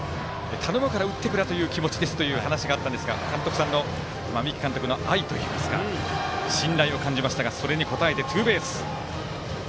頼むから打ってくれという気持ちですという話があったんですが、三木監督の愛といいますか信頼を感じましたがそれに応えて、ツーベース。